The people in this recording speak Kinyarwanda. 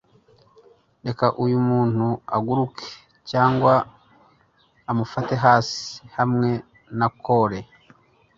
reka uyu muntu aguruke, cyangwa amufate hasi hamwe na kole